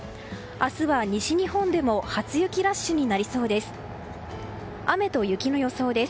明日は西日本でも初雪ラッシュになりそうです。